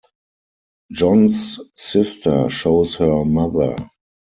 John's sister shows her mother.